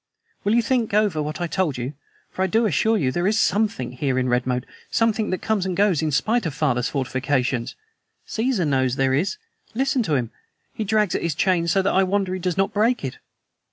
"Will you think over what I have told you? For I do assure you there is something here in Redmoat something that comes and goes in spite of father's 'fortifications'? Caesar knows there is. Listen to him. He drags at his chain so that I wonder he does not break it."